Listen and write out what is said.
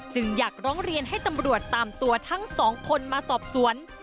จึงอยากร้องเรียนให้ตำรวจตามตัวทั้งสองคนมาสอบสวน